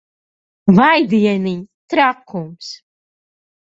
Vai dieniņ! Trakums.